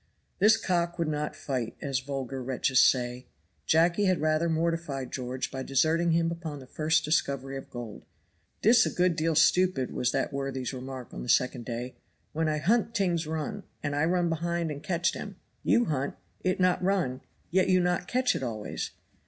This cock would not fight, as vulgar wretches say. Jacky had rather mortified George by deserting him upon the first discovery of gold. "Dis a good deal stupid," was that worthy's remark on the second day. "When I hunt tings run, and I run behind and catch dem. You hunt it not run yet you not catch it always.